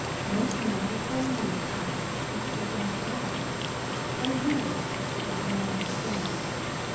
Most men were toiling at tasks which they did not like, by rules which they did not understand.